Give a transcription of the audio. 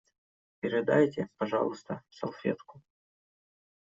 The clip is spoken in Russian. Передайте, пожалуйста, салфетку.